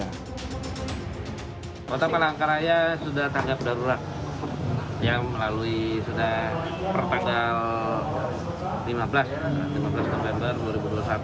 kota palangkaraya sudah tanggap darurat yang melalui sudah pertanggal lima belas november dua ribu dua puluh satu